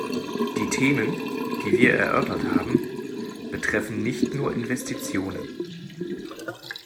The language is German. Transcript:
Die Themen, die wir erörtert haben, betreffen nicht nur Investitionen.